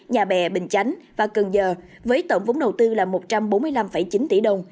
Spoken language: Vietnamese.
nhà bè bình chánh và cần giờ với tổng vốn đầu tư là một trăm bốn mươi năm chín tỷ đồng